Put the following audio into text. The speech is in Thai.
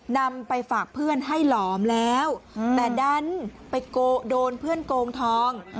นำไปฝากเพื่อนให้หลอมแล้วแต่ดันไปโดนเพื่อนโกงทอง